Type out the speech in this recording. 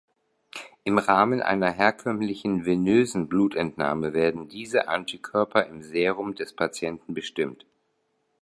Im Rahmen einer herkömmlichen venösen Blutentnahme werden diese Antikörper im Serum des Patienten bestimmt.